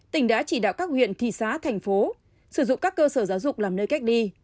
tỉnh đã chỉ đạo các huyện thị xã thành phố sử dụng các cơ sở giáo dục làm nơi cách ly